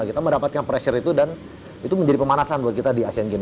kita mendapatkan pressure itu dan itu menjadi pemanasan buat kita di asian games